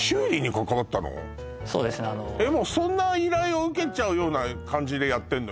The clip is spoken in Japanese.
そうですねあのそんな依頼を受けちゃうような感じでやってるの？